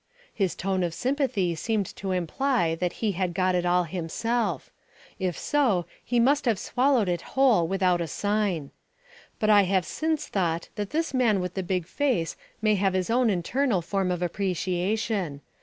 His tone of sympathy seemed to imply that he had got it all himself; if so, he must have swallowed it whole without a sign. But I have since thought that this man with the big face may have his own internal form of appreciation.